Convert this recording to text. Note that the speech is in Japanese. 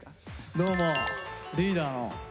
どうもリーダーのＪです。